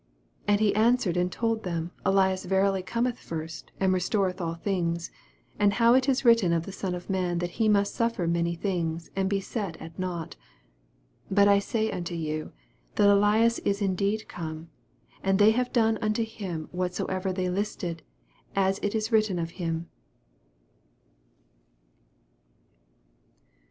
12 And he answered and told them, Elias verily cometh first, and restor eth all things ; and how it is written of the Son of man, that he must suffer many things, and be set at nought. 13 But I nay unto you, That Ellas is indeed come, and they have done unto him whatsoever they listed, as it is written Of him.